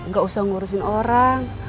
nggak usah ngurusin orang